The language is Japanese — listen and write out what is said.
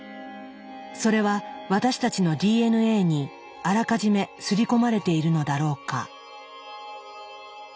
それは私たちのＤＮＡにあらかじめ刷り込まれているのだろうか？